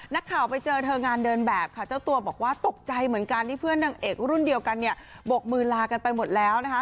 นักข่าวไปเจอเธองานเดินแบบค่ะเจ้าตัวบอกว่าตกใจเหมือนกันที่เพื่อนนางเอกรุ่นเดียวกันเนี่ยบกมือลากันไปหมดแล้วนะคะ